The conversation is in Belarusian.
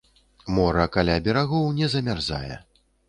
Мора каля берагоў не замярзае.